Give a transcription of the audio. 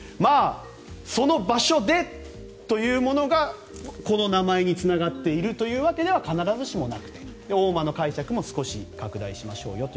その場所でというものがこの名前につながっているというわけでは必ずしもなくて、大間の解釈も少し拡大しましょうよと。